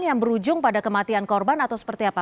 yang berujung pada kematian korban atau seperti apa